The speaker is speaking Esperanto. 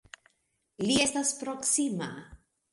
Li estas proksima!